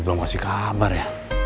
jadi siapa tapi